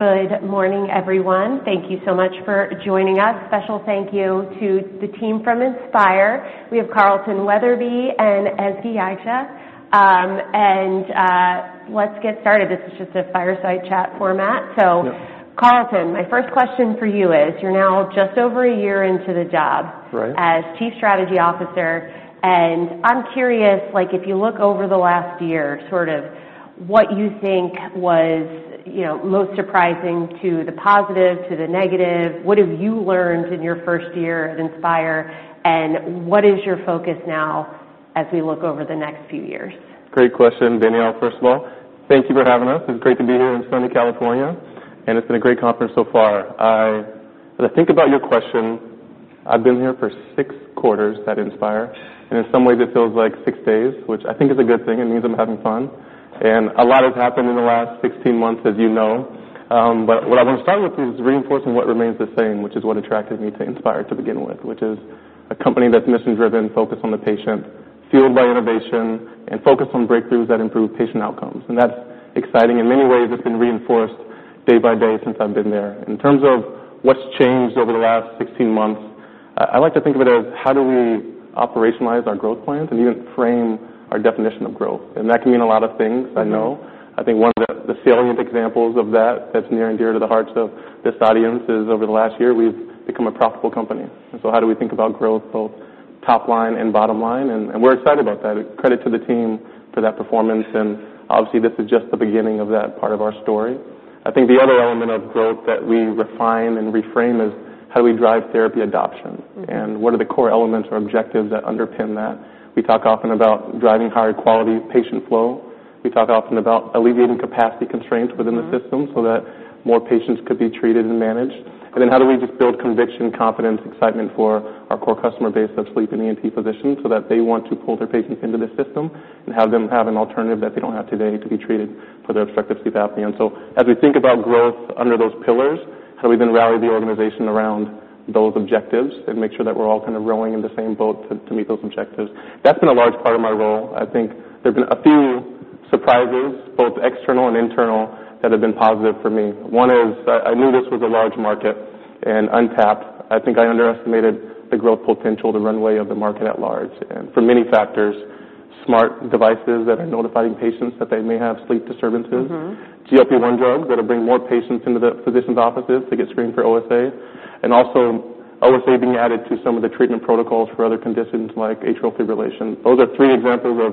Good morning, everyone. Thank you so much for joining us. Special thank you to the team from Inspire. We have Carlton Weatherby and Ezgi Yagci. And let's get started. This is just a fireside chat format. So Carlton, my first question for you is, you're now just over a year into the job as Chief Strategy Officer. And I'm curious, if you look over the last year, sort of what you think was most surprising, to the positive, to the negative? What have you learned in your first year at Inspire? And what is your focus now as we look over the next few years? Great question, Danielle, first of all. Thank you for having us. It's great to be here in sunny California, and it's been a great conference so far. As I think about your question, I've been here for six quarters at Inspire, and in some ways, it feels like six days, which I think is a good thing. It means I'm having fun, and a lot has happened in the last 16 months, as you know, but what I want to start with is reinforcing what remains the same, which is what attracted me to Inspire to begin with, which is a company that's mission-driven, focused on the patient, fueled by innovation, and focused on breakthroughs that improve patient outcomes, and that's exciting. In many ways, it's been reinforced day by day since I've been there. In terms of what's changed over the last 16 months, I like to think of it as how do we operationalize our growth plans and even frame our definition of growth? And that can mean a lot of things, I know. I think one of the salient examples of that that's near and dear to the hearts of this audience is over the last year, we've become a profitable company. And so how do we think about growth, both top line and bottom line? And we're excited about that. Credit to the team for that performance. And obviously, this is just the beginning of that part of our story. I think the other element of growth that we refine and reframe is how do we drive therapy adoption? And what are the core elements or objectives that underpin that? We talk often about driving higher quality patient flow. We talk often about alleviating capacity constraints within the system so that more patients could be treated and managed, and then how do we just build conviction, confidence, excitement for our core customer base of sleep and ENT physicians so that they want to pull their patients into the system and have them have an alternative that they don't have today to be treated for their obstructive sleep apnea, and so as we think about growth under those pillars, how do we then rally the organization around those objectives and make sure that we're all kind of rowing in the same boat to meet those objectives? That's been a large part of my role. I think there have been a few surprises, both external and internal, that have been positive for me. One is I knew this was a large market and untapped. I think I underestimated the growth potential, the runway of the market at large, and for many factors, smart devices that are notifying patients that they may have sleep disturbances, GLP-1 drugs that will bring more patients into the physician's offices to get screened for OSA, and also OSA being added to some of the treatment protocols for other conditions like atrial fibrillation. Those are three examples of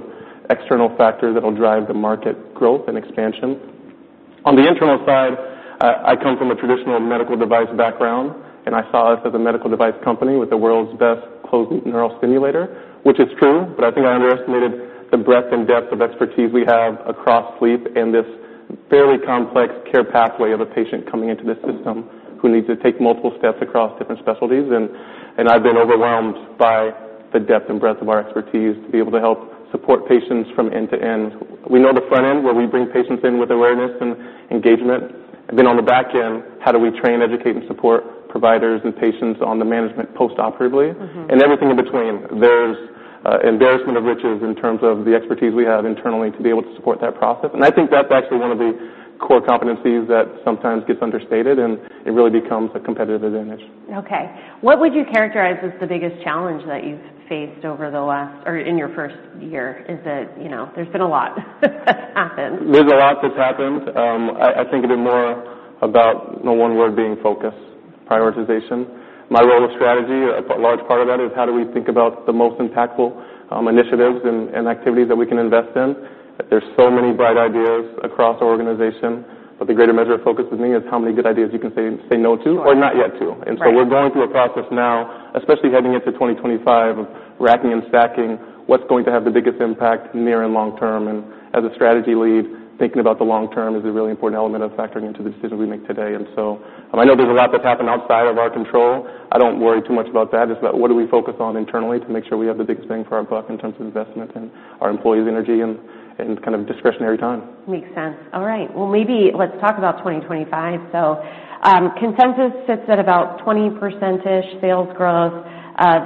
external factors that will drive the market growth and expansion. On the internal side, I come from a traditional medical device background, and I saw us as a medical device company with the world's best closed-loop neural stimulator, which is true. But I think I underestimated the breadth and depth of expertise we have across sleep and this fairly complex care pathway of a patient coming into the system who needs to take multiple steps across different specialties. And I've been overwhelmed by the depth and breadth of our expertise to be able to help support patients from end to end. We know the front end where we bring patients in with awareness and engagement. And then on the back end, how do we train, educate, and support providers and patients on the management postoperatively? And everything in between. There's embarrassment of riches in terms of the expertise we have internally to be able to support that process. And I think that's actually one of the core competencies that sometimes gets understated. And it really becomes a competitive advantage. Okay. What would you characterize as the biggest challenge that you've faced over the last or in your first year? There's been a lot that's happened. There's a lot that's happened. I think it is more about, in one word, being focused, prioritization. My role as strategy, a large part of that is how do we think about the most impactful initiatives and activities that we can invest in? There's so many bright ideas across our organization. But the greater measure of focus with me is how many good ideas you can say no to or not yet to. And so we're going through a process now, especially heading into 2025, of racking and stacking what's going to have the biggest impact near and long term. And as a strategy lead, thinking about the long term is a really important element of factoring into the decisions we make today. And so I know there's a lot that's happened outside of our control. I don't worry too much about that. It's about what do we focus on internally to make sure we have the biggest bang for our buck in terms of investment in our employees' energy and kind of discretionary time. Makes sense. All right. Well, maybe let's talk about 2025. So consensus sits at about 20%-ish sales growth.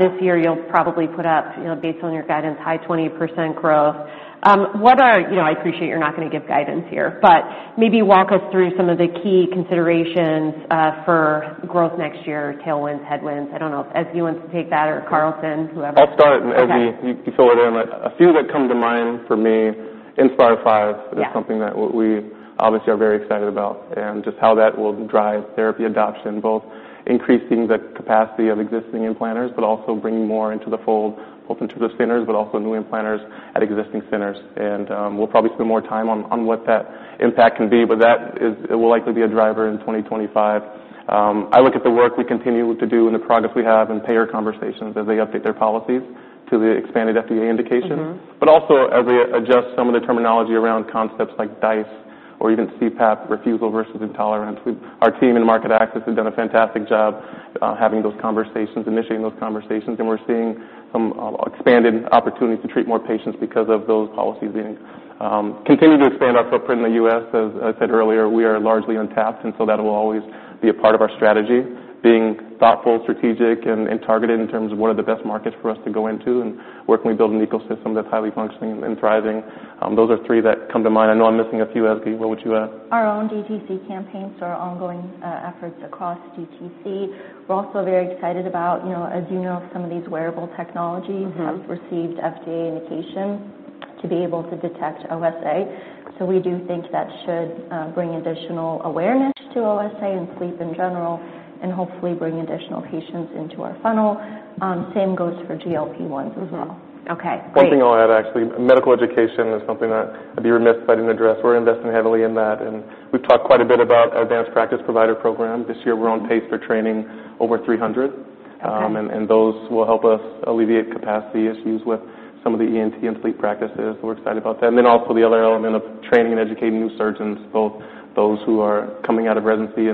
This year, you'll probably put up, based on your guidance, high 20% growth. I appreciate you're not going to give guidance here. But maybe walk us through some of the key considerations for growth next year, tailwinds, headwinds. I don't know if Ezgi wants to take that or Carlton, whoever. I'll start with Ezgi. You fill it in. A few that come to mind for me in Inspire V is something that we obviously are very excited about and just how that will drive therapy adoption, both increasing the capacity of existing implanters, but also bringing more into the fold, both in terms of centers, but also new implanters at existing centers. We'll probably spend more time on what that impact can be. That will likely be a driver in 2025. I look at the work we continue to do and the progress we have in payer conversations as they update their policies to the expanded FDA indication. We also adjust some of the terminology around concepts like DISE or even CPAP refusal versus intolerance. Our team in market access has done a fantastic job having those conversations, initiating those conversations. And we're seeing some expanded opportunities to treat more patients because of those policies being continued to expand our footprint in the U.S. As I said earlier, we are largely untapped. And so that will always be a part of our strategy, being thoughtful, strategic, and targeted in terms of what are the best markets for us to go into and where can we build an ecosystem that's highly functioning and thriving. Those are three that come to mind. I know I'm missing a few, Ezgi. What would you add? Our own DTC campaigns are ongoing efforts across DTC. We're also very excited about, as you know, some of these wearable technologies have received FDA indication to be able to detect OSA, so we do think that should bring additional awareness to OSA and sleep in general and hopefully bring additional patients into our funnel. Same goes for GLP-1s as well. Okay. Great. One thing I'll add, actually, medical education is something that I'd be remiss if I didn't address. We're investing heavily in that, and we've talked quite a bit about our advanced practice provider program. This year, we're on pace for training over 300, and those will help us alleviate capacity issues with some of the ENT and sleep practices. We're excited about that, and then also the other element of training and educating new surgeons, both those who are coming out of residency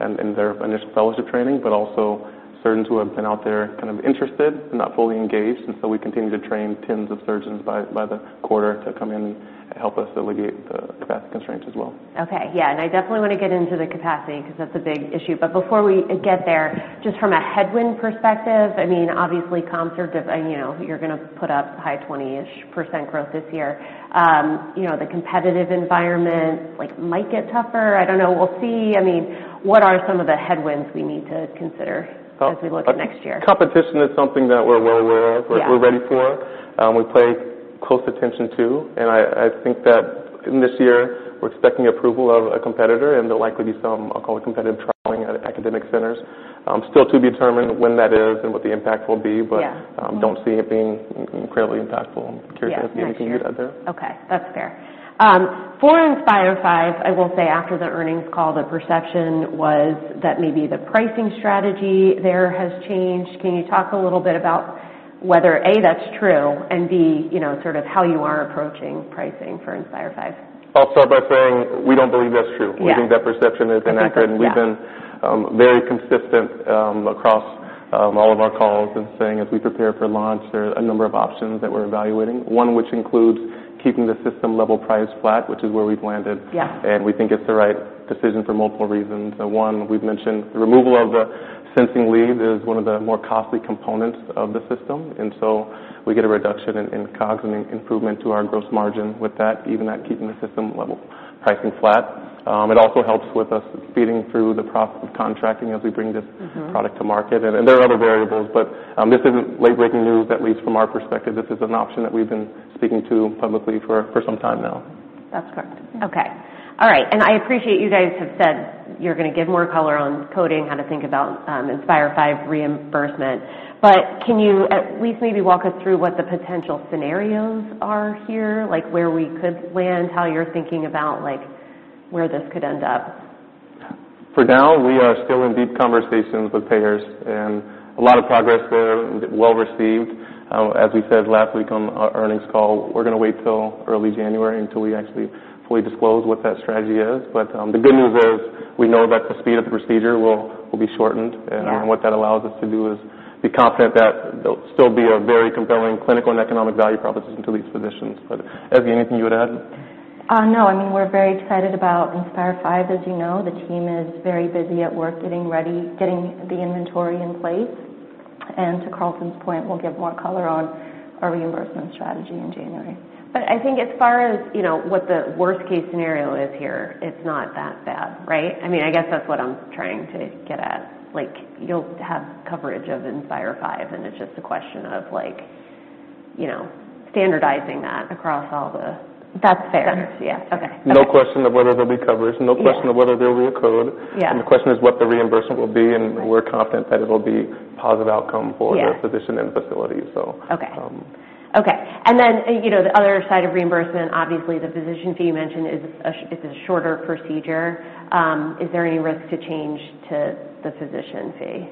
and their initial fellowship training, but also surgeons who have been out there kind of interested but not fully engaged, and so we continue to train tens of surgeons by the quarter to come in and help us alleviate the capacity constraints as well. Okay. Yeah. And I definitely want to get into the capacity because that's a big issue. But before we get there, just from a headwind perspective, I mean, obviously, you're going to put up high 20-ish percent growth this year. The competitive environment might get tougher. I don't know. We'll see. I mean, what are some of the headwinds we need to consider as we look at next year? Competition is something that we're well aware of. We're ready for. We pay close attention to. And I think that this year, we're expecting approval of a competitor. And there'll likely be some, I'll call it, competitive trialing at academic centers. Still to be determined when that is and what the impact will be. But I don't see it being incredibly impactful. I'm curious if there's anything you'd add there. Okay. That's fair. For Inspire V, I will say after the earnings call, the perception was that maybe the pricing strategy there has changed. Can you talk a little bit about whether, A, that's true, and B, sort of how you are approaching pricing for Inspire V? I'll start by saying we don't believe that's true. We think that perception is inaccurate. And we've been very consistent across all of our calls in saying as we prepare for launch, there are a number of options that we're evaluating, one which includes keeping the system-level price flat, which is where we've landed. And we think it's the right decision for multiple reasons. One, we've mentioned the removal of the sensing lead is one of the more costly components of the system. And so we get a reduction in COGS and an improvement to our gross margin with that, even at keeping the system-level pricing flat. It also helps with us feeding through the process of contracting as we bring this product to market. And there are other variables. But this isn't late-breaking news, at least from our perspective. This is an option that we've been speaking to publicly for some time now. That's correct. Okay. All right. And I appreciate you guys have said you're going to give more color on coding, how to think about Inspire V reimbursement. But can you at least maybe walk us through what the potential scenarios are here, like where we could land, how you're thinking about where this could end up? For now, we are still in deep conversations with payers, and a lot of progress there, well received. As we said last week on our earnings call, we're going to wait till early January until we actually fully disclose what that strategy is, but the good news is we know that the speed of the procedure will be shortened, and what that allows us to do is be confident that there'll still be a very compelling clinical and economic value proposition to these physicians, but Ezgi, anything you would add? No. I mean, we're very excited about Inspire V, as you know. The team is very busy at work getting ready, getting the inventory in place, and to Carlton's point, we'll get more color on our reimbursement strategy in January. But I think as far as what the worst-case scenario is here, it's not that bad, right? I mean, I guess that's what I'm trying to get at. You'll have coverage of Inspire V. And it's just a question of standardizing that across all the centers. That's fair. Yeah. Okay. No question of whether there'll be coverage. No question of whether there'll be a code. And the question is what the reimbursement will be. And we're confident that it'll be a positive outcome for the physician and facility. And then the other side of reimbursement, obviously, the physician fee you mentioned is a shorter procedure. Is there any risk to change to the physician fee?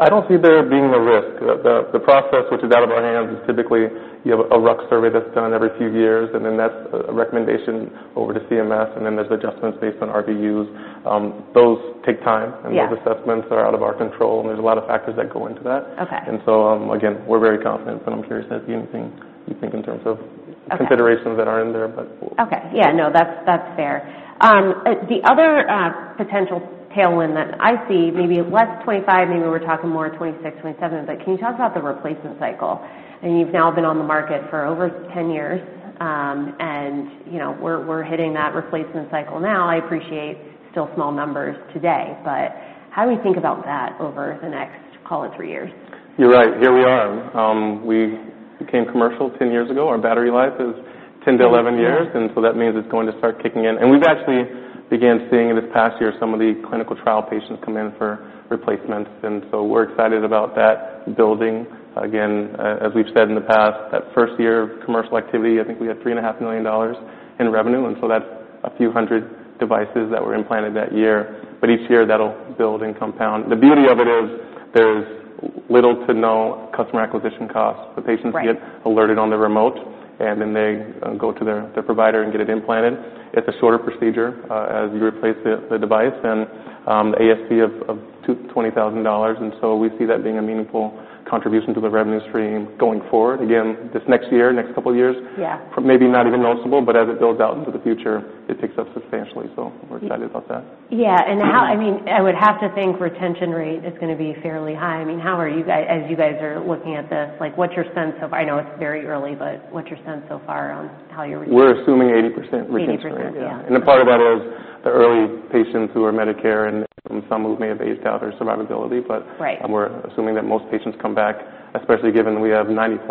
I don't see there being a risk. The process, which is out of our hands, is typically you have a RUC survey that's done every few years. And then that's a recommendation over to CMS. And then there's adjustments based on RVUs. Those take time. And those assessments are out of our control. And there's a lot of factors that go into that. And so, again, we're very confident. But I'm curious if there's anything you think in terms of considerations that aren't in there. Okay. Yeah. No, that's fair. The other potential tailwind that I see, maybe less 25, maybe we're talking more 26, 27. But can you talk about the replacement cycle? And you've now been on the market for over 10 years. And we're hitting that replacement cycle now. I appreciate still small numbers today. But how do we think about that over the next, call it, three years? You're right. Here we are. We became commercial 10 years ago. Our battery life is 10-11 years. And so that means it's going to start kicking in. And we've actually began seeing in this past year some of the clinical trial patients come in for replacements. And so we're excited about that building. Again, as we've said in the past, that first year of commercial activity, I think we had $3.5 million in revenue. And so that's a few hundred devices that were implanted that year. But each year, that'll build and compound. The beauty of it is there's little to no customer acquisition costs. The patients get alerted on the remote. And then they go to their provider and get it implanted. It's a shorter procedure as you replace the device. And the ASP of $20,000. And so we see that being a meaningful contribution to the revenue stream going forward. Again, this next year, next couple of years, maybe not even noticeable. But as it builds out into the future, it picks up substantially. So we're excited about that. Yeah. And I mean, I would have to think retention rate is going to be fairly high. I mean, how are you guys, as you guys are looking at this? What's your sense of, I know it's very early, but what's your sense so far on how you're reaching? We're assuming 80% retention rate. 80%. Yeah. A part of that is the early patients who are Medicare and some who may have aged out or survivability. We're assuming that most patients come back, especially given we have 90+%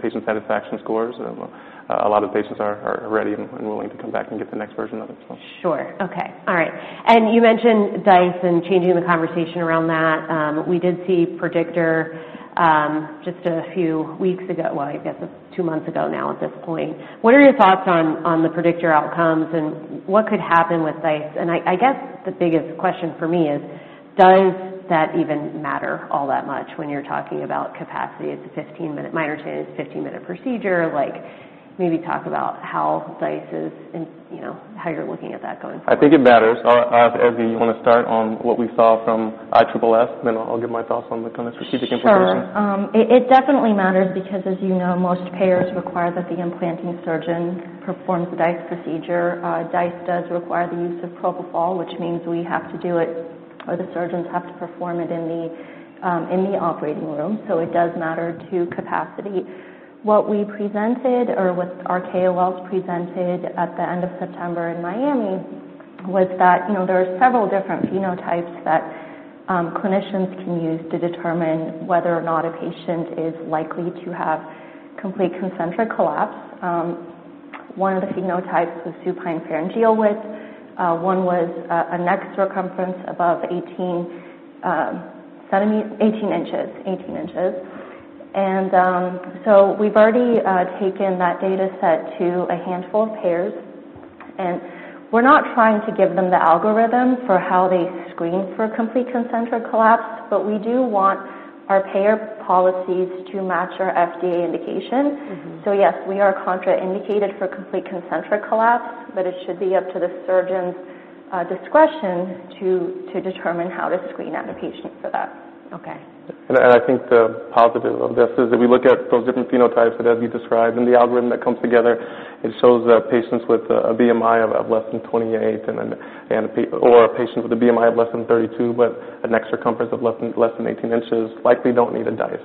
patient satisfaction scores. A lot of patients are ready and willing to come back and get the next version of it. Sure. Okay. All right, and you mentioned DISE and changing the conversation around that. We did see PREDICTOR just a few weeks ago, well, I guess it's two months ago now at this point. What are your thoughts on the PREDICTOR outcomes, and what could happen with DISE, and I guess the biggest question for me is, does that even matter all that much when you're talking about capacity? It's a 15-minute minor change. Minor change is a 15-minute procedure. Maybe talk about how DISE is, how you're looking at that going forward. I think it matters. Ezgi, you want to start on what we saw from ISSS? Then I'll give my thoughts on the kind of strategic information. Sure. It definitely matters because, as you know, most payers require that the implanting surgeon performs the DISE procedure. DISE does require the use of propofol, which means we have to do it or the surgeons have to perform it in the operating room. So it does matter to capacity. What we presented or what our KOLs presented at the end of September in Miami was that there are several different phenotypes that clinicians can use to determine whether or not a patient is likely to have complete concentric collapse. One of the phenotypes was supine pharyngeal width. One was a neck circumference above 18 inches. And so we've already taken that data set to a handful of payers. And we're not trying to give them the algorithm for how they screen for complete concentric collapse. But we do want our payer policies to match our FDA indication. Yes, we are contraindicated for complete concentric collapse. It should be up to the surgeon's discretion to determine how to screen out a patient for that. Okay. I think the positive of this is that we look at those different phenotypes that, as you described, and the algorithm that comes together. It shows that patients with a BMI of less than 28 or patients with a BMI of less than 32 but a neck circumference of less than 18 inches likely don't need a DISE.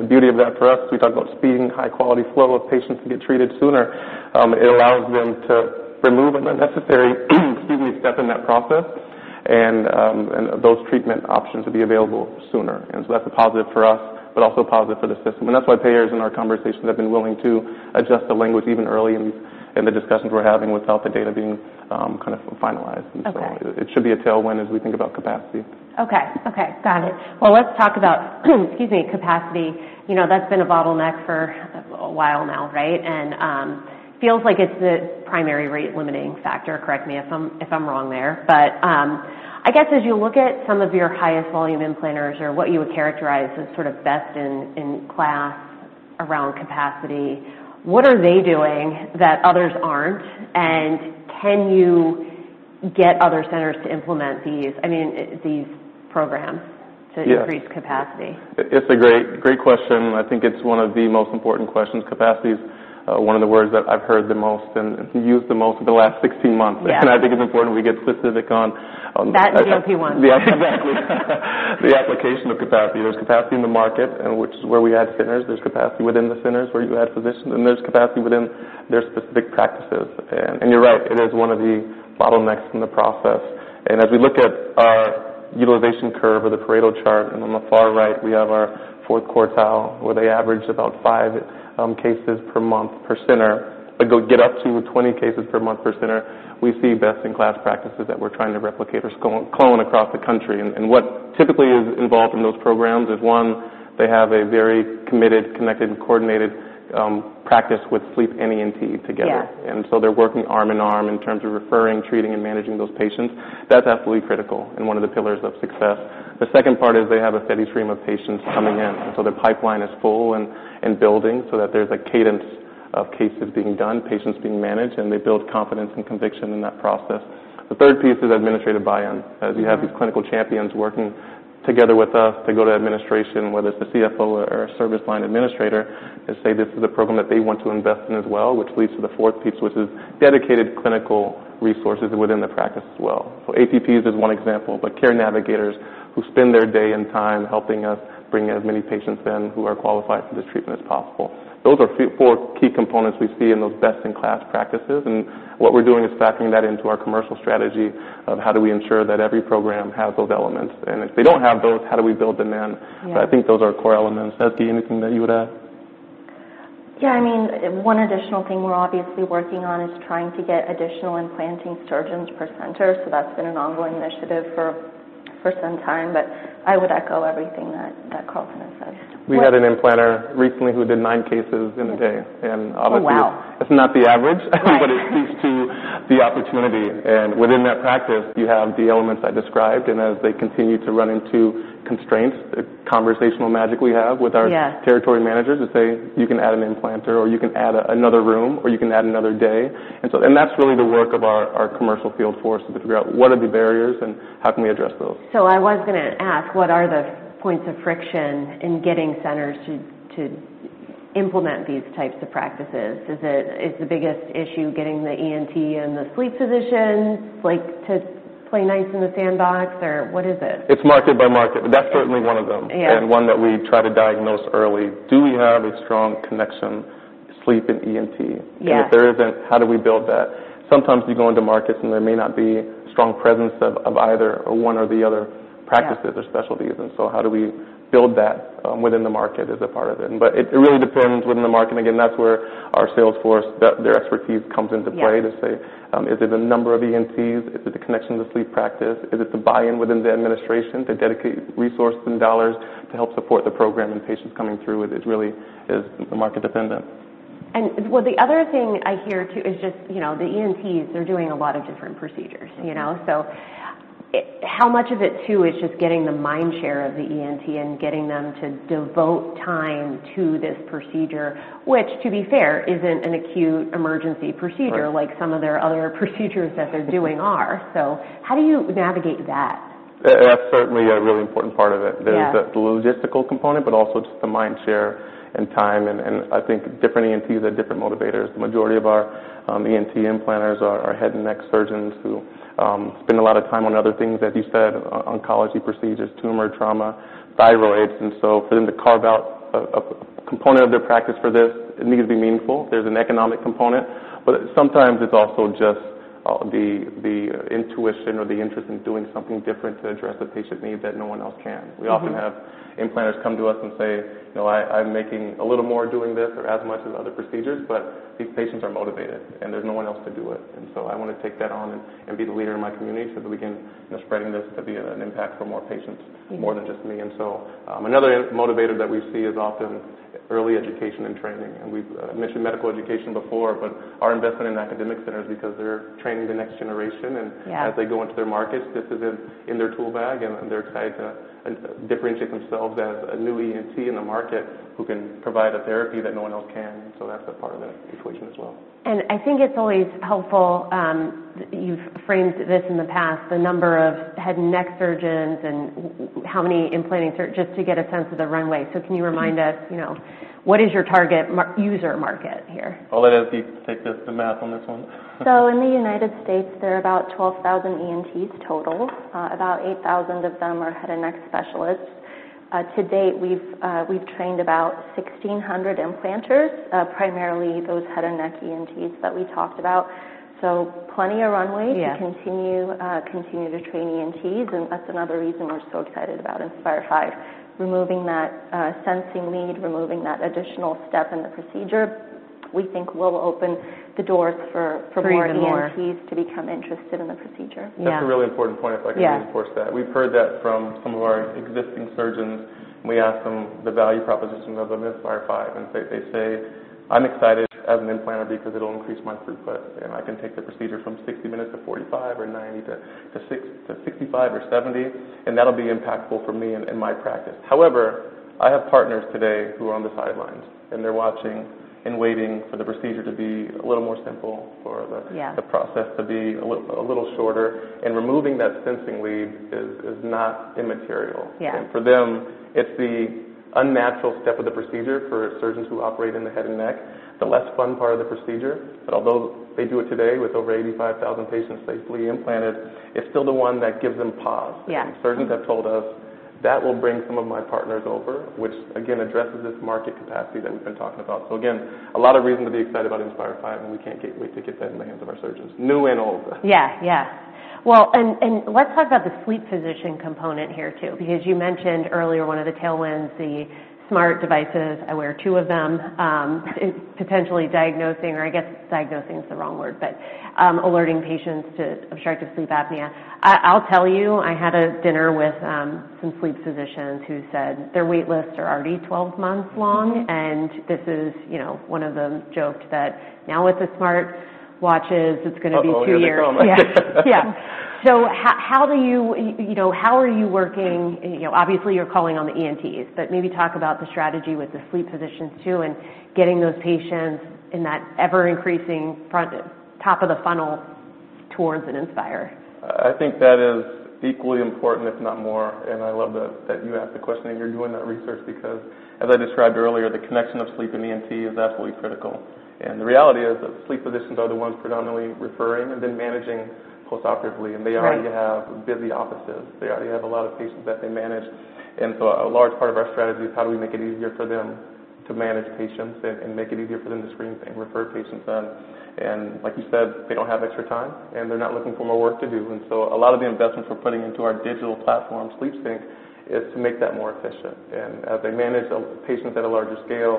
The beauty of that for us, we talk about speeding, high-quality flow of patients to get treated sooner. It allows them to remove an unnecessary step in that process and those treatment options to be available sooner. That's a positive for us, but also a positive for the system. That's why payers in our conversations have been willing to adjust the language even early in the discussions we're having without the data being kind of finalized. It should be a tailwind as we think about capacity. Okay. Okay. Got it. Well, let's talk about, excuse me, capacity. That's been a bottleneck for a while now, right? And it feels like it's the primary rate-limiting factor. Correct me if I'm wrong there. But I guess as you look at some of your highest volume implanters or what you would characterize as sort of best in class around capacity, what are they doing that others aren't? And can you get other centers to implement these, I mean, these programs to increase capacity? It's a great question. I think it's one of the most important questions. Capacity is one of the words that I've heard the most and used the most in the last 16 months. And I think it's important we get specific on. That GLP-1. Yeah. Exactly. The application of capacity. There's capacity in the market, which is where we had centers. There's capacity within the centers where you add physicians, and there's capacity within their specific practices. You're right. It is one of the bottlenecks in the process. As we look at our utilization curve or the Pareto chart, on the far right we have our fourth quartile where they average about five cases per month per center. They go get up to 20 cases per month per center. We see best-in-class practices that we're trying to replicate or clone across the country. What typically is involved in those programs is one, they have a very committed, connected, and coordinated practice with sleep and ENT together. They're working arm in arm in terms of referring, treating, and managing those patients. That's absolutely critical and one of the pillars of success. The second part is they have a steady stream of patients coming in. And so the pipeline is full and building so that there's a cadence of cases being done, patients being managed. And they build confidence and conviction in that process. The third piece is administrative buy-in. As you have these clinical champions working together with us, they go to administration, whether it's the CFO or a service line administrator, and say, "This is a program that they want to invest in as well," which leads to the fourth piece, which is dedicated clinical resources within the practice as well. So APPs is one example, but care navigators who spend their day and time helping us bring as many patients in who are qualified for this treatment as possible. Those are four key components we see in those best-in-class practices. And what we're doing is factoring that into our commercial strategy of how do we ensure that every program has those elements. And if they don't have those, how do we build them in? But I think those are core elements. Ezgi, anything that you would add? Yeah. I mean, one additional thing we're obviously working on is trying to get additional implanting surgeons per center. So that's been an ongoing initiative for some time. But I would echo everything that Carlton has said. We had an implanter recently who did nine cases in a day. Obviously, it's not the average. It speaks to the opportunity. Within that practice, you have the elements I described. As they continue to run into constraints, the conversational magic we have with our territory managers to say, "You can add an implanter, or you can add another room, or you can add another day." That's really the work of our commercial field for us to figure out what are the barriers and how can we address those? So I was going to ask, what are the points of friction in getting centers to implement these types of practices? Is the biggest issue getting the ENT and the sleep physician to play nice in the sandbox, or what is it? It's market by market, but that's certainly one of them, and one that we try to diagnose early. Do we have a strong connection, sleep and ENT? And if there isn't, how do we build that? Sometimes you go into markets and there may not be a strong presence of either one or the other practices or specialties. And so how do we build that within the market as a part of it? But it really depends within the market. And again, that's where our sales force, their expertise comes into play to say, "Is it the number of ENTs? Is it the connection to sleep practice? Is it the buy-in within the administration, the dedicated resources and dollars to help support the program and patients coming through?" It really is market dependent. The other thing I hear too is just the ENTs are doing a lot of different procedures. So how much of it too is just getting the mind share of the ENT and getting them to devote time to this procedure, which, to be fair, isn't an acute emergency procedure like some of their other procedures that they're doing are. So how do you navigate that? That's certainly a really important part of it. There's the logistical component, but also just the mind share and time. And I think different ENTs have different motivators. The majority of our ENT implanters are head and neck surgeons who spend a lot of time on other things, as you said, oncology procedures, tumor, trauma, thyroids. And so for them to carve out a component of their practice for this, it needs to be meaningful. There's an economic component. But sometimes it's also just the intuition or the interest in doing something different to address the patient need that no one else can. We often have implanters come to us and say, "I'm making a little more doing this or as much as other procedures." But these patients are motivated. And there's no one else to do it. And so I want to take that on and be the leader in my community so that we can be spreading this to be an impact for more patients, more than just me. And so another motivator that we see is often early education and training. And we've mentioned medical education before. But our investment in academic centers, because they're training the next generation. And as they go into their markets, this is in their tool bag. And they're excited to differentiate themselves as a new ENT in the market who can provide a therapy that no one else can. And so that's a part of the equation as well. And I think it's always helpful. You've framed this in the past, the number of head and neck surgeons and how many implanting surgeons, just to get a sense of the runway. So can you remind us, what is your target user market here? I'll let Ezgi take the math on this one. So in the United States, there are about 12,000 ENTs total. About 8,000 of them are head and neck specialists. To date, we've trained about 1,600 implanters, primarily those head and neck ENTs that we talked about. So plenty of runway to continue to train ENTs. And that's another reason we're so excited about Inspire V, removing that sensing lead, removing that additional step in the procedure. We think we'll open the doors for more ENTs to become interested in the procedure. That's a really important point. If I can just force that. We've heard that from some of our existing surgeons. We ask them the value proposition of Inspire V. And they say, "I'm excited as an implanter because it'll increase my throughput. And I can take the procedure from 60 minutes to 45 or 90 to 65 or 70. And that'll be impactful for me and my practice." However, I have partners today who are on the sidelines. And they're watching and waiting for the procedure to be a little more simple, for the process to be a little shorter. And removing that sensing lead is not immaterial. And for them, it's the unnatural step of the procedure for surgeons who operate in the head and neck, the less fun part of the procedure. But although they do it today with over 85,000 patients safely implanted, it's still the one that gives them pause. And surgeons have told us, "That will bring some of my partners over," which, again, addresses this market capacity that we've been talking about. So again, a lot of reason to be excited about Inspire V. And we can't wait to get that in the hands of our surgeons, new and old. Yeah. Yeah. Well, and let's talk about the sleep physician component here too because you mentioned earlier one of the tailwinds, the smart devices. I wear two of them. Potentially diagnosing, or I guess diagnosing is the wrong word, but alerting patients to obstructive sleep apnea. I'll tell you, I had a dinner with some sleep physicians who said their waitlists are already 12 months long. And this is one of them joked that, "Now with the smartwatches, it's going to be two years. Oh, yeah. Yeah. So how are you working? Obviously, you're calling on the ENTs. But maybe talk about the strategy with the sleep physicians too and getting those patients in that ever-increasing top of the funnel towards an Inspire. I think that is equally important, if not more. And I love that you asked the question and you're doing that research because, as I described earlier, the connection of sleep and ENT is absolutely critical. And the reality is that sleep physicians are the ones predominantly referring and then managing postoperatively. And they already have busy offices. They already have a lot of patients that they manage. And so a large part of our strategy is how do we make it easier for them to manage patients and make it easier for them to screen and refer patients in. And like you said, they don't have extra time. And they're not looking for more work to do. And so a lot of the investments we're putting into our digital platform, SleepSync, is to make that more efficient. As they manage patients at a larger scale,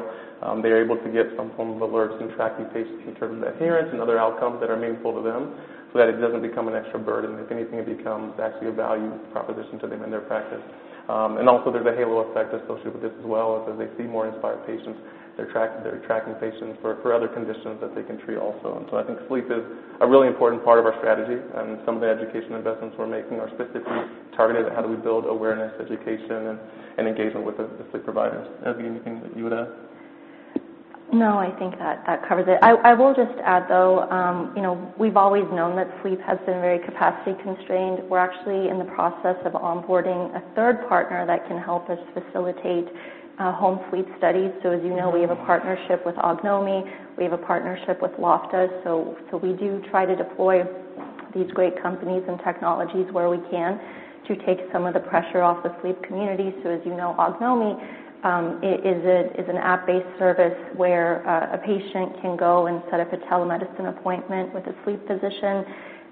they're able to get some form of alerts and tracking patients in terms of adherence and other outcomes that are meaningful to them so that it doesn't become an extra burden. If anything, it becomes actually a value proposition to them in their practice. And also, there's a halo effect associated with this as well. As they see more Inspire patients, they're tracking patients for other conditions that they can treat also. And so I think sleep is a really important part of our strategy. And some of the education investments we're making are specifically targeted at how do we build awareness, education, and engagement with the sleep providers. Ezgi, anything that you would add? No, I think that covers it. I will just add, though, we've always known that sleep has been very capacity constrained. We're actually in the process of onboarding a third partner that can help us facilitate home sleep studies. So as you know, we have a partnership with Ognomy. We have a partnership with Lofta. So we do try to deploy these great companies and technologies where we can to take some of the pressure off the sleep community. So as you know, Ognomy is an app-based service where a patient can go and set up a telemedicine appointment with a sleep physician.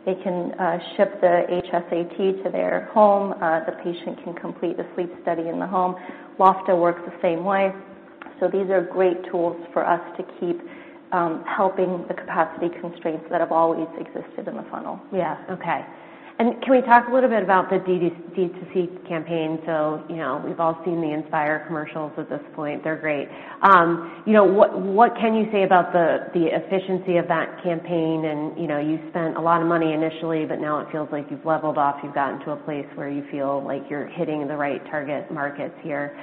They can ship the HSAT to their home. The patient can complete the sleep study in the home. Lofta works the same way. So these are great tools for us to keep helping the capacity constraints that have always existed in the funnel. Yeah. Okay, and can we talk a little bit about the DTC campaign? So we've all seen the Inspire commercials at this point. They're great. What can you say about the efficiency of that campaign? And you spent a lot of money initially, but now it feels like you've leveled off. You've gotten to a place where you feel like you're hitting the right target markets here.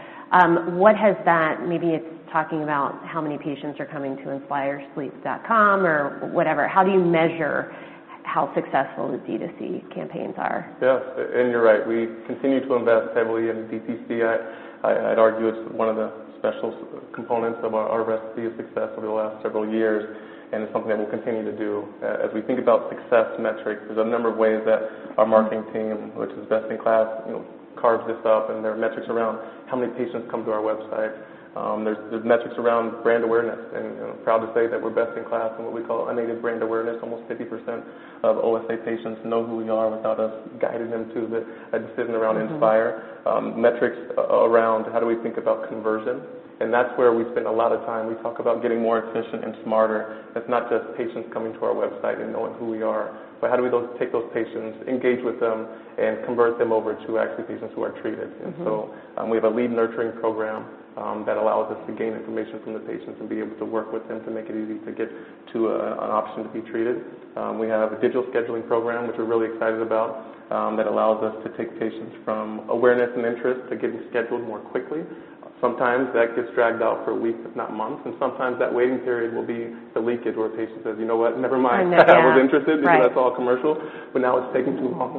What has that (maybe it's talking about how many patients are coming to InspireSleep.com or whatever) how do you measure how successful the DTC campaigns are? Yes. And you're right. We continue to invest heavily in DTC. I'd argue it's one of the special components of our recipe of success over the last several years. And it's something that we'll continue to do. As we think about success metrics, there's a number of ways that our marketing team, which is best-in-class, carves this up. And there are metrics around how many patients come to our website. There's metrics around brand awareness. And I'm proud to say that we're best-in-class in what we call unaided brand awareness. Almost 50% of OSA patients know who we are without us guiding them to a decision around Inspire. Metrics around how do we think about conversion. And that's where we spend a lot of time. We talk about getting more efficient and smarter. It's not just patients coming to our website and knowing who we are, but how do we take those patients, engage with them, and convert them over to actually patients who are treated? And so we have a lead nurturing program that allows us to gain information from the patients and be able to work with them to make it easy to get to an option to be treated. We have a digital scheduling program, which we're really excited about, that allows us to take patients from awareness and interest to getting scheduled more quickly. Sometimes that gets dragged out for weeks, if not months. And sometimes that waiting period will be the leakage where a patient says, "You know what? Never mind. I was interested." That's all commercial. But now it's taking too long.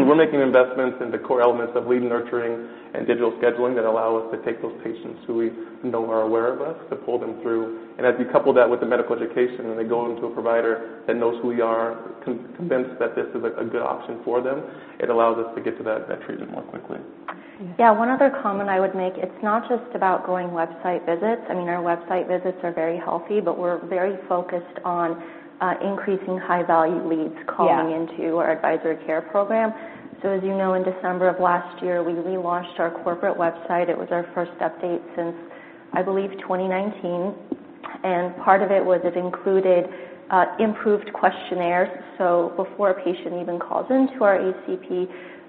We're making investments in the core elements of lead nurturing and digital scheduling that allow us to take those patients who we know are aware of us to pull them through. And as we couple that with the medical education and they go into a provider that knows who we are, convinced that this is a good option for them, it allows us to get to that treatment more quickly. Yeah. One other comment I would make. It's not just about going website visits. I mean, our website visits are very healthy. But we're very focused on increasing high-value leads calling into our Advisor Care Program. So as you know, in December of last year, we relaunched our corporate website. It was our first update since, I believe, 2019. And part of it was it included improved questionnaires. So before a patient even calls into our ACP,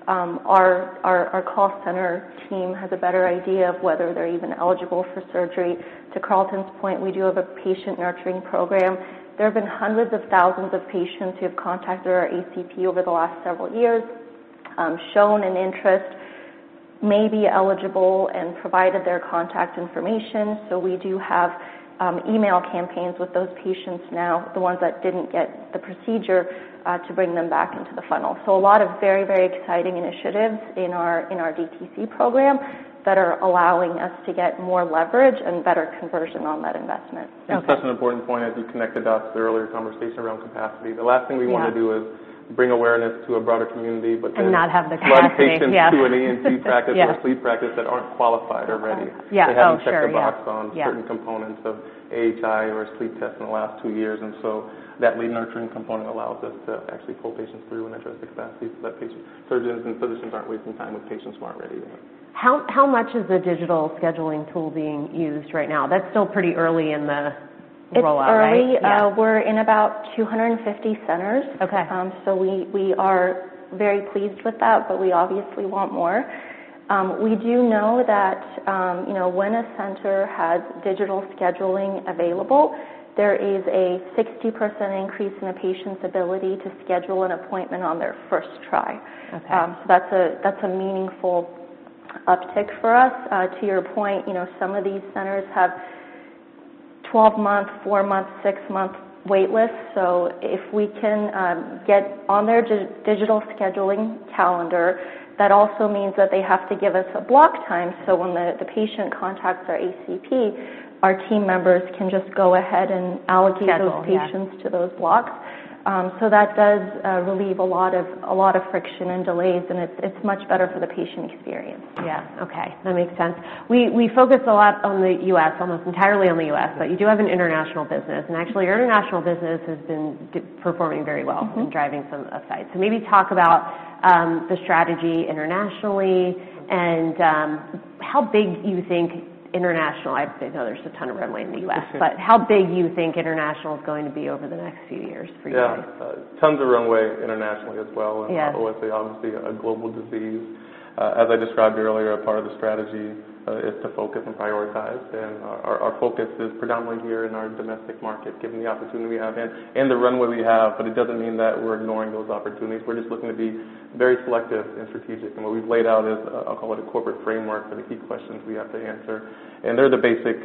our call center team has a better idea of whether they're even eligible for surgery. To Carlton's point, we do have a patient nurturing program. There have been hundreds of thousands of patients who have contacted our ACP over the last several years, shown an interest, may be eligible, and provided their contact information. So we do have email campaigns with those patients now, the ones that didn't get the procedure, to bring them back into the funnel. So a lot of very, very exciting initiatives in our DTC program that are allowing us to get more leverage and better conversion on that investment. I think that's an important point as you connected us to the earlier conversation around capacity. The last thing we want to do is bring awareness to a broader community, but then. And not have the capacity yet. A lot of patients to an ENT practice or a sleep practice that aren't qualified already. They haven't checked the box on certain components of AHI or sleep tests in the last two years. And so that lead nurturing component allows us to actually pull patients through and address the capacity so that patient surgeons and physicians aren't wasting time with patients who aren't ready yet. How much is the digital scheduling tool being used right now? That's still pretty early in the rollout, right? It's early. We're in about 250 centers, so we are very pleased with that, but we obviously want more. We do know that when a center has digital scheduling available, there is a 60% increase in a patient's ability to schedule an appointment on their first try. So that's a meaningful uptick for us. To your point, some of these centers have 12-month, four-month, six-month waitlists, so if we can get on their digital scheduling calendar, that also means that they have to give us a block time. So when the patient contacts our ACP, our team members can just go ahead and allocate those patients to those blocks, so that does relieve a lot of friction and delays, and it's much better for the patient experience. Yeah. Okay. That makes sense. We focus a lot on the U.S., almost entirely on the U.S. But you do have an international business. And actually, your international business has been performing very well and driving some upside. So maybe talk about the strategy internationally and how big you think international. I know there's a ton of runway in the U.S. But how big do you think international is going to be over the next few years for you guys? Yeah. Tons of runway internationally as well. And OSA is obviously a global disease. As I described earlier, part of the strategy is to focus and prioritize. And our focus is predominantly here in our domestic market, given the opportunity we have and the runway we have. But it doesn't mean that we're ignoring those opportunities. We're just looking to be very selective and strategic. And what we've laid out is, I'll call it a corporate framework for the key questions we have to answer. And they're the basic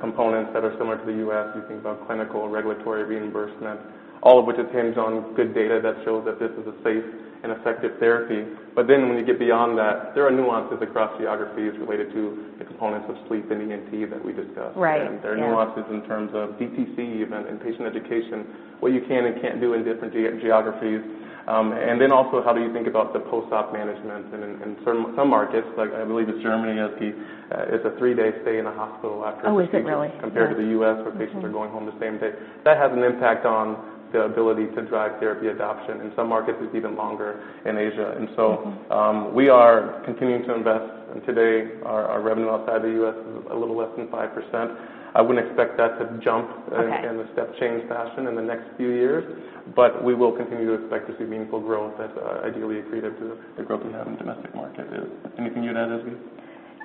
components that are similar to the U.S. You think about clinical, regulatory reimbursement, all of which is hinged on good data that shows that this is a safe and effective therapy. But then when you get beyond that, there are nuances across geographies related to the components of sleep and ENT that we discussed. There are nuances in terms of DTC, even in patient education, what you can and can't do in different geographies. And then also, how do you think about the post-op management? And in some markets, I believe in Germany, it's a three-day stay in a hospital after surgery. Oh, is it really? Compared to the U.S., where patients are going home the same day. That has an impact on the ability to drive therapy adoption. In some markets, it's even longer in Asia. And so we are continuing to invest. And today, our revenue outside the U.S. is a little less than 5%. I wouldn't expect that to jump in a step-change fashion in the next few years. But we will continue to expect to see meaningful growth that's ideally equated to the growth we have in the domestic market. Anything you'd add, Ezgi?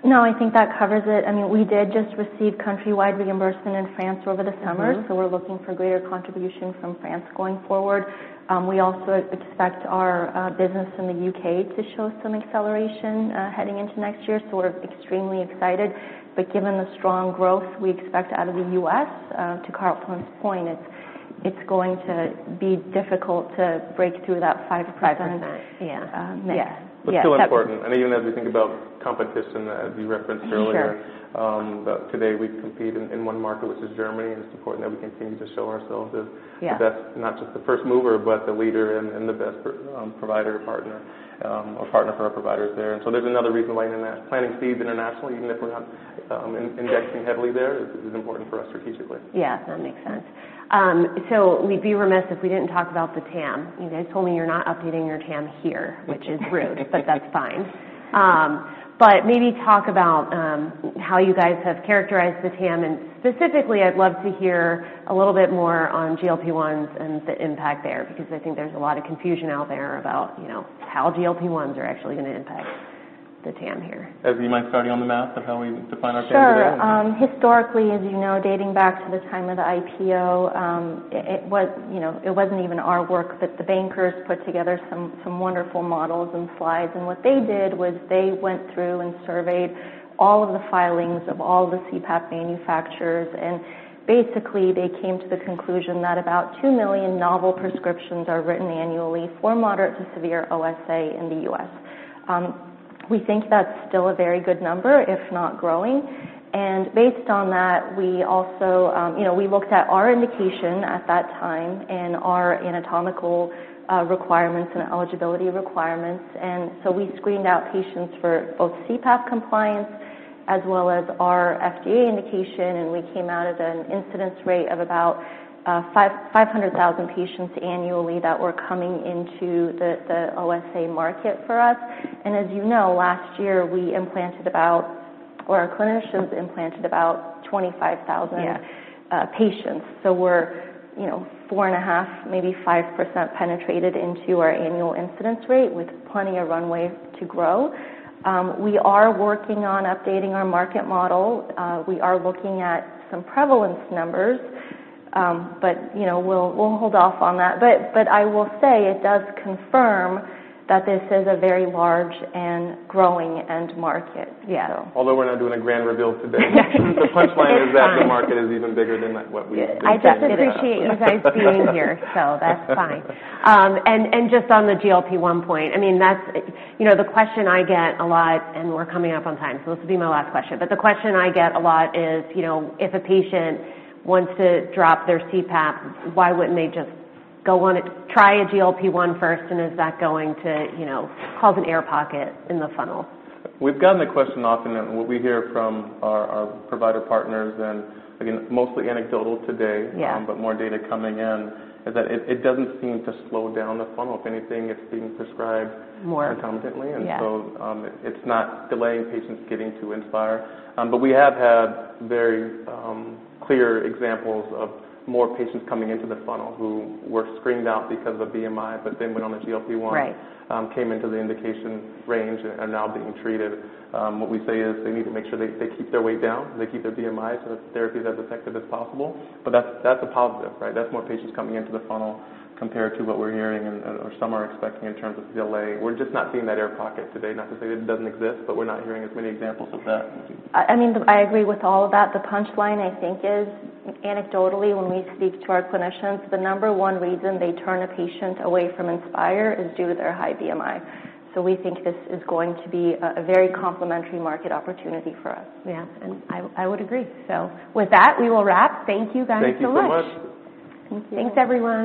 No, I think that covers it. I mean, we did just receive countrywide reimbursement in France over the summer. So we're looking for greater contribution from France going forward. We also expect our business in the U.K. to show some acceleration heading into next year. So we're extremely excited. But given the strong growth we expect out of the U.S., to Carlton's point, it's going to be difficult to break through that 5% mix. But still important. And even as we think about competition, as you referenced earlier, that today we compete in one market, which is Germany. And it's important that we continue to show ourselves as not just the first mover, but the leader and the best provider partner or partner for our providers there. And so there's another reason why in that planning feeds internationally, even if we're not indexing heavily there, it is important for us strategically. Yeah. That makes sense. So we'd be remiss if we didn't talk about the TAM. You guys told me you're not updating your TAM here, which is rude. But that's fine. But maybe talk about how you guys have characterized the TAM. And specifically, I'd love to hear a little bit more on GLP-1s and the impact there because I think there's a lot of confusion out there about how GLP-1s are actually going to impact the TAM here. Ezgi, mind starting on the math of how we define our TAM? Sure. Historically, as you know, dating back to the time of the IPO, it wasn't even our work, but the bankers put together some wonderful models and slides, and what they did was they went through and surveyed all of the filings of all the CPAP manufacturers, and basically, they came to the conclusion that about 2 million novel prescriptions are written annually for moderate to severe OSA in the U.S. We think that's still a very good number, if not growing, and based on that, we also looked at our indication at that time and our anatomical requirements and eligibility requirements, and so we screened out patients for both CPAP compliance as well as our FDA indication, and we came out at an incidence rate of about 500,000 patients annually that were coming into the OSA market for us. As you know, last year, we implanted about, or our clinicians implanted about 25,000 patients. We're 4.5%, maybe 5% penetrated into our annual incidence rate with plenty of runway to grow. We are working on updating our market model. We are looking at some prevalence numbers. We'll hold off on that. I will say it does confirm that this is a very large and growing end market. Yeah. Although we're not doing a grand reveal today. The punchline is that the market is even bigger than what we anticipated. Yeah. I just appreciate you guys being here. So that's fine. And just on the GLP-1 point, I mean, the question I get a lot, and we're coming up on time. So this will be my last question. But the question I get a lot is, if a patient wants to drop their CPAP, why wouldn't they just try a GLP-1 first? And is that going to cause an air pocket in the funnel? We've gotten the question often. And what we hear from our provider partners, and again, mostly anecdotal today, but more data coming in, is that it doesn't seem to slow down the funnel. If anything, it's being prescribed more concomitantly. And so it's not delaying patients getting to Inspire. But we have had very clear examples of more patients coming into the funnel who were screened out because of BMI but then went on a GLP-1, came into the indication range, and are now being treated. What we say is they need to make sure they keep their weight down, they keep their BMI to a therapy that's effective as possible. But that's a positive, right? That's more patients coming into the funnel compared to what we're hearing or some are expecting in terms of delay. We're just not seeing that air pocket today. Not to say that it doesn't exist. But we're not hearing as many examples of that. I mean, I agree with all of that. The punchline, I think, is anecdotally, when we speak to our clinicians, the number one reason they turn a patient away from Inspire is due to their high BMI. So we think this is going to be a very complementary market opportunity for us. Yeah, and I would agree, so with that, we will wrap. Thank you guys so much. Thank you so much. Thank you. Thanks, everyone.